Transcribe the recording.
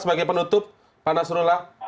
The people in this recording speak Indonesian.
sebagai penutup pak nasrullah